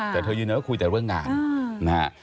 แต่เธอยืนนะก็คุยแต่เรื่องงาน